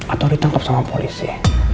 atau ditangkap sama polisi